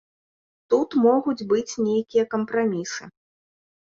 Тут могуць быць нейкія кампрамісы.